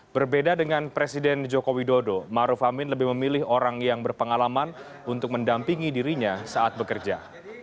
berbeda dengan presiden joko widodo maruf amin lebih memilih orang yang berpengalaman untuk mendampingi dirinya saat bekerja